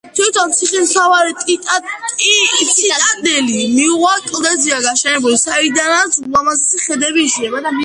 თვითონ ციხის მთავარი ციტადელი მიუვალ კლდეზეა გაშენებული, საიდანაც ულამაზესი ხედები იშლება.